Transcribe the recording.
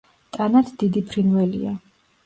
ტანად დიდი ფრინველია.